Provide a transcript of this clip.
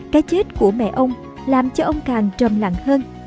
cái chết của mẹ ông làm cho ông càng trầm lặng hơn